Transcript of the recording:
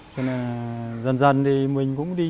cho nên là dần dần thì mình cũng đi